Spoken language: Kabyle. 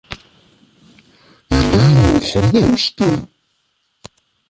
Ila yiwen n uxxam d ahuskay.